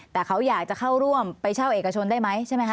แต่เขาอยากจะเข้าร่วมไปเช่าเอกชนได้ไหมใช่ไหมคะ